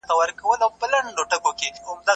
ولې کورني شرکتونه طبي درمل له پاکستان څخه واردوي؟